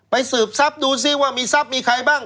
สืบทรัพย์ดูซิว่ามีทรัพย์มีใครบ้าง